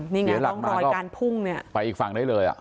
นี่ไงต้องรอยการพุ่งไปอีกฝั่งได้เลย